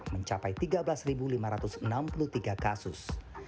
mencapai tiga belas lima ratus enam puluh tiga kasus